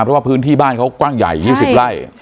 เพราะว่าพื้นที่บ้านเขากว้างใหญ่๒๐ไร่